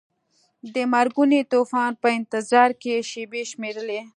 د مرګوني طوفان په انتظار کې شیبې شمیرلې.